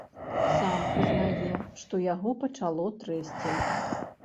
Сам прызнае, што яго пачало трэсці.